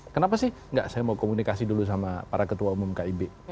kenapa sih enggak saya mau komunikasi dulu sama para ketua umum kib